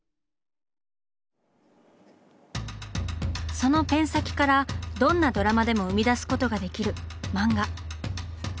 そのペン先からどんなドラマでも生み出すことができる「漫画」。